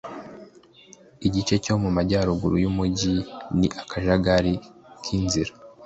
igice cyo mu majyaruguru yumujyi ni akajagari k'inzira